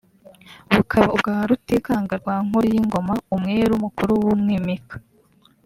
bukaba ubwa Rutikanga rwa Nkuriyingoma umwiru mukuru w’umwimika